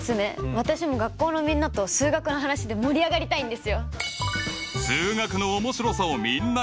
私も学校のみんなと数学の話で盛り上がりたいんですよ！